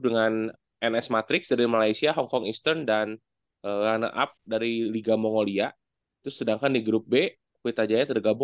dengan ns matrix dari malaysia hongkong eastern dan runner up dari liga mongolia itu sedangkan di grup b